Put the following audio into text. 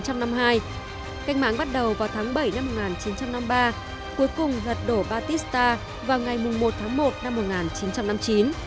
cách mạng bắt đầu vào tháng bảy năm một nghìn chín trăm năm mươi ba cuối cùng lật đổ batista vào ngày một tháng một năm một nghìn chín trăm năm mươi chín